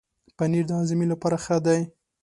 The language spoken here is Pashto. پنېر د هاضمې لپاره ښه دی.